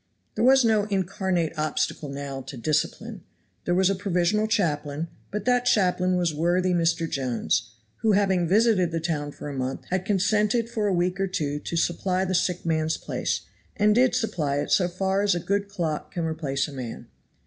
There was no incarnate obstacle now to "discipline." There was a provisional chaplain, but that chaplain was worthy Mr. Jones, who having visited the town for a month, had consented for a week or two to supply the sick man's place, and did supply it so far as a good clock can replace a man.